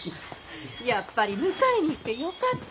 やっぱり迎えに行ってよかった。